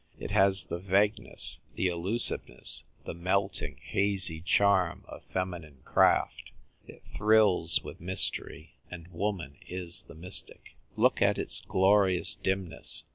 It has the vagueness, the elusive ness, the melting, hazy charm of feminine craft. It thrills with mystery ; and woman is the mystic. Look at its glorious dimness.